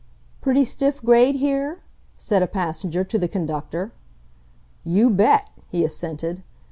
"Pretty stiff grade here?" said a passenger to the conductor. "You bet!" he assented.